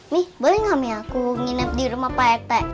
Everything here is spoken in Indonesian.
mie boleh gak mie aku nginep di rumah pak reti